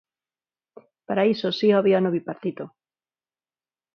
Para iso si o había no Bipartito.